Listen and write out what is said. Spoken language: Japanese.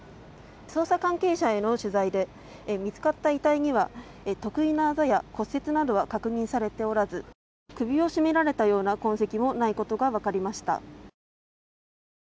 捜査関係者への取材で見つかった遺体には特異なあざや骨折などは確認されておらず首を絞められたような痕跡もないことが分かりました。